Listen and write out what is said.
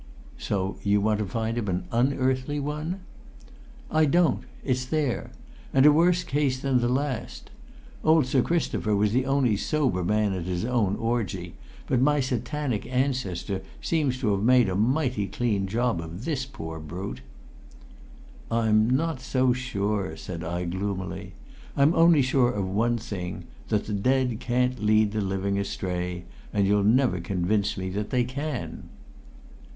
"So you want to find him an unearthly one?" "I don't; it's there and a worse case than the last. Old Sir Christopher was the only sober man at his own orgy, but my satanic ancestor seems to have made a mighty clean job of this poor brute!" "I'm not so sure," said I gloomily. "I'm only sure of one thing that the dead can't lead the living astray and you'll never convince me that they can."